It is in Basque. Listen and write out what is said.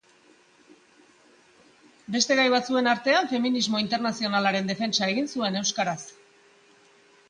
Beste gaien artean feminismo internazionalaren defentsa egin zuen, euskaraz.